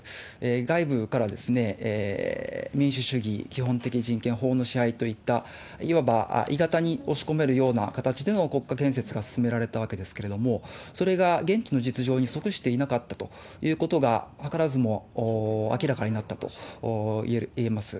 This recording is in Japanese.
外部から民主主義、基本的人権、法の支配といった、いわば鋳型に押し込めるような形での国家建設が進められたわけですけれども、それが現地の実情に即していなかったということが図らずも明らかになったと言えます。